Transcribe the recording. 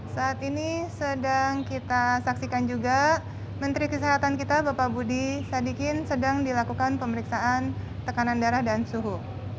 saat ini sedang kita saksikan juga menteri kesehatan kita bapak budi sadikin sedang dilakukan pemeriksaan tekanan darah dan suhu